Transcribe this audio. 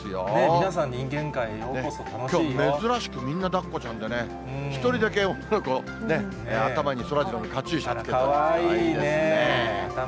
皆さん人間界へようこそ、きょう、珍しくみんなだっこちゃんでね、１人だけ女の子、頭にそらジローかわいいね。